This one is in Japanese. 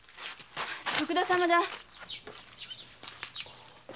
徳田様だ。